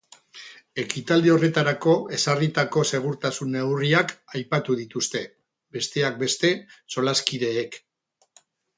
Ekitaldi horretarako ezarritako segurtasun neurriak aipatu dituzte, besteak beste, solaskideek.